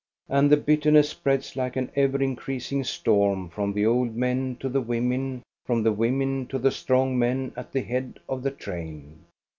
And the bitterness spreads like an ever increasing storm from the old men to the women, from the women to the strong men at the head of the train.